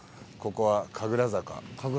ここは神楽坂。